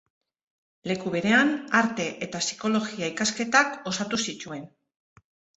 Leku berean, arte eta psikologia ikasketak osatu zituen.